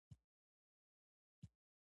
ورلوېږي، نو دا كس ئې مخنيوى كوي